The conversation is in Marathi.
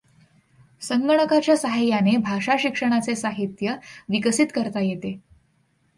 संगणकाच्या सहाय्याने भाषा शिक्षणाचे साहित्य विकसित करता येते.